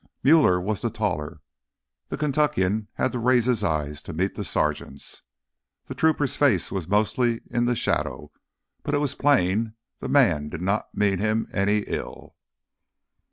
Muller was the taller; the Kentuckian had to raise his eyes to meet the sergeant's. The trooper's face was mostly in the shadow, but it was plain the man did not mean him any ill.